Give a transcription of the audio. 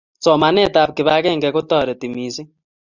somanetab kibagenge ko toreti mising